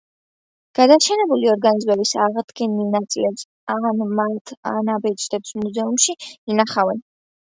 გადაშენებული ორგანიზმების აღდგენილ ნაწილებს ან მათ ანაბეჭდებს მუზეუმებში ინახავენ.